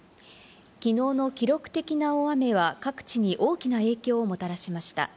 きのうの記録的な大雨は各地に大きな影響をもたらしました。